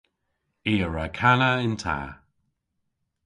I a wra kana yn ta.